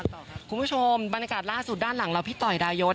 ต่อครับคุณผู้ชมบรรยากาศล่าสุดด้านหลังเราพี่ต่อยดายศ